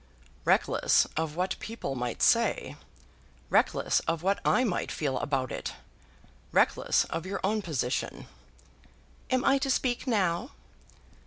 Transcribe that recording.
"Reckless of what people might say; reckless of what I might feel about it; reckless of your own position." "Am I to speak now?"